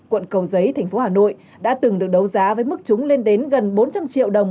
quận cầu giấy thành phố hà nội đã từng được đấu giá với mức chúng lên đến gần bốn trăm linh triệu đồng